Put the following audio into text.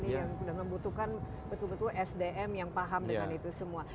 yang sudah membutuhkan betul betul sdm yang paham dengan itu semua